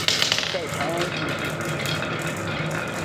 在长安去世。